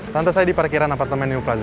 tante saya di parkiran apartemen new plaza